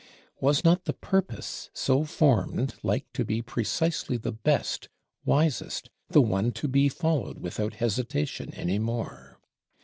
Was not the purpose so formed like to be precisely the best, wisest, the one to be followed without hesitation any more?